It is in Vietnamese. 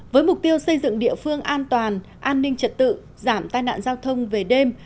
với mục tiêu xây dựng địa phương an toàn an ninh trật tự giảm tai nạn giao thông về đêm